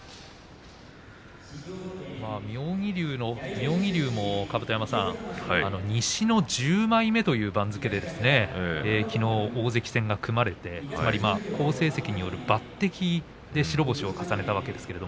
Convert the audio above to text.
妙義龍も甲山さん西の１０枚目という番付できのう大関戦が組まれて好成績による抜てきで白星を重ねました。